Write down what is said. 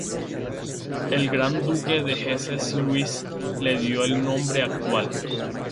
El Gran Duque de Hesse Luis I le dio el nombre actual.